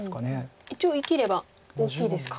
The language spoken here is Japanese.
一応生きれば大きいですか。